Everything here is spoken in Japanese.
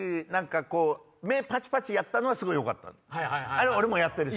あれ俺もやってるし。